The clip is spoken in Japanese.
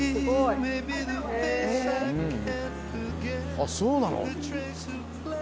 あっそうなの？